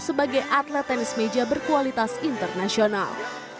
sebagai atlet tenis meja berkualitas internasional